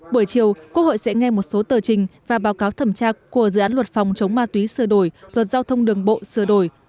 buổi chiều quốc hội sẽ nghe một số tờ trình và báo cáo thẩm tra của dự án luật phòng chống ma túy sửa đổi luật giao thông đường bộ sửa đổi